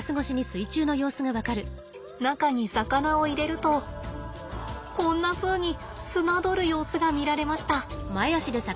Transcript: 中に魚を入れるとこんなふうに漁る様子が見られました。